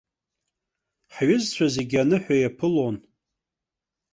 Ҳҩызцәа зегьы аныҳәа иаԥылон.